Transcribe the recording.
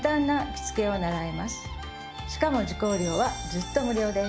しかも受講料はずっと無料です。